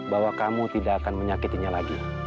bahwa kamu tidak akan menyakitinya lagi